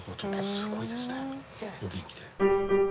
すごいですねお元気で。